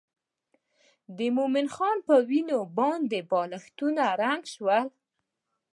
د مومن خان په وینو باندې بالښتونه رنګ شول.